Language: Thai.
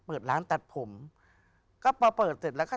เปิดร้านตัดผมก็พอเปิดเสร็จแล้วก็